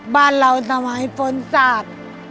บ้านเราทำไมฝนสาด